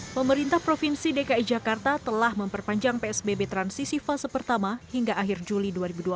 pemerintah provinsi dki jakarta telah memperpanjang psbb transisi fase pertama hingga akhir juli dua ribu dua puluh